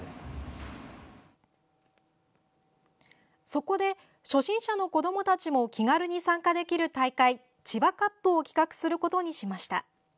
そこで初心者の子どもたちも気軽に参加できる大会「ＣＨＩＢＡＣＵＰ」を企画することにしました。